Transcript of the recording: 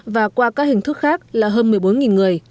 và qua các hình thức khác là hơn một mươi bốn người